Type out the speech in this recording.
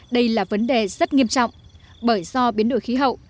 đây là vấn đề rất nghiêm trọng bởi do biến đổi khí hậu